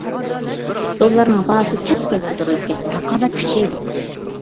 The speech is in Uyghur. دوللارنىڭ باھاسى كەسكىن كۆتۈرۈلۈپ كەتتى، رىقابەت كۈچەيدى.